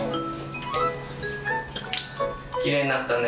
きれいになったね。